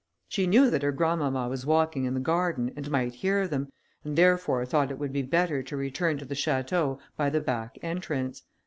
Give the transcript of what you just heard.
She knew that her grandmamma was walking in the garden, and might hear them, and therefore thought it would be better to return to the château by the back entrance.